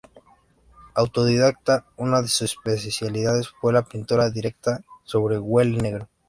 Autodidacta, una de sus especialidades fue la pintura directa sobre hule negro.